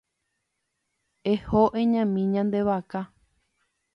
Eho eñami ñande vaka.